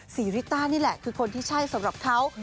ริต้านี่แหละคือคนที่ใช่สำหรับเขา